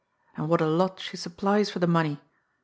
" And what a lot she supplies for the money